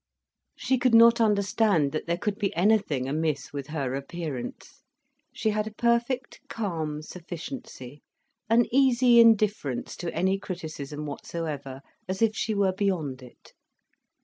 She could not understand that there could be anything amiss with her appearance. She had a perfect calm sufficiency, an easy indifference to any criticism whatsoever, as if she were beyond it.